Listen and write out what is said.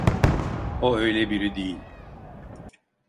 O öyle biri değil.